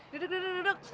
duduk duduk duduk